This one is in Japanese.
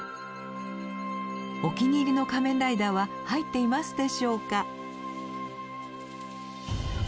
お気に入りの仮面ライダーは入っていますでしょうか？